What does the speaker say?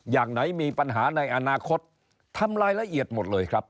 อย่างไหนมีปัญหาในอนาคตทำรายละเอียดหมดเลยครับ